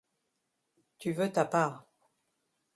Tu veux ta part.